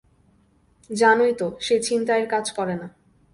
জানোই তো, সে ছিনতাইয়ের কাজ করে না।